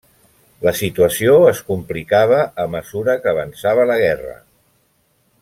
La situació es complicava a mesura que avançava la guerra.